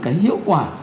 cái hiệu quả